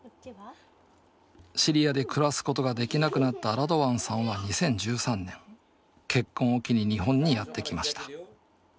シリアで暮らすことができなくなったラドワンさんは２０１３年結婚を機に日本にやって来ました。